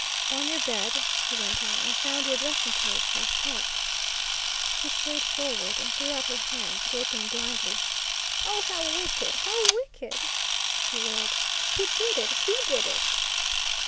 "On your bed," he went on, "I found your dressing case, half packed." She swayed forward, and threw out her hands, groping blindly. "Oh, how wicked, how wicked!" she wailed "He did it, he did it!"